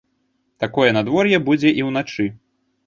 Такое надвор'е будзе і ўначы.